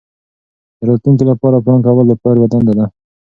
د راتلونکي لپاره پلان کول د پلار یوه دنده ده.